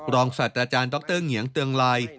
รองศัตริย์อาจารย์ดรเหงียงเตืองลาย